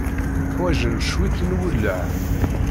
Ḥwajen cwiṭ n uwelleh.